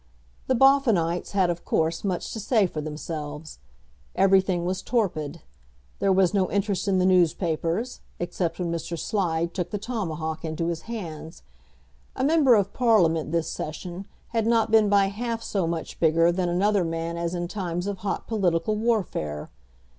The Boffinites had of course much to say for themselves. Everything was torpid. There was no interest in the newspapers, except when Mr. Slide took the tomahawk into his hands. A member of Parliament this Session had not been by half so much bigger than another man as in times of hot political warfare.